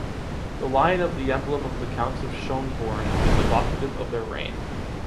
The lion of the emblem of the Counts of Schönborn is evocative of their reign.